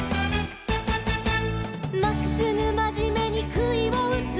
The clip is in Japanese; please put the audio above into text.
「まっすぐまじめにくいをうつ」